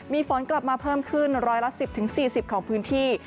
มีฝนกลับมาเพิ่มขึ้นร้อยละ๑๐๔๐ของพื้นที่